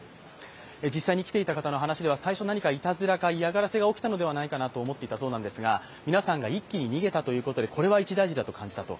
実際に来ていた方の話では、最初は何かいたずらか嫌がらせが起きたのではないかなと思っていたそうなんですが皆さんが一気に逃げたということで、これは一大事だと感じたと。